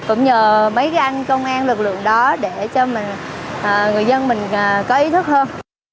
cũng nhờ mấy găng công an lực lượng đó để cho người dân mình có ý thức hơn